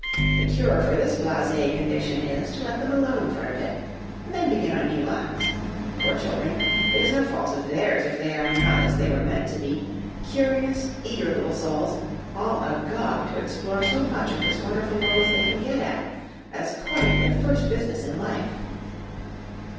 The cure for this blase condition is, to let them alone for a bit, and then begin on new lines. Poor children, it is no fault of theirs if they are not as they were meant to be curious eager little souls, all agog to explore so much of this wonderful world as they can get at, as quite their first business in life.